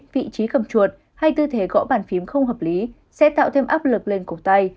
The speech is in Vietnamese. vị trí cầm chuột hay tư thế gõ bàn phím không hợp lý sẽ tạo thêm áp lực lên cổ tay